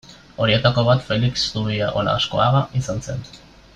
Horietako bat Felix Zubia Olaskoaga izan zen.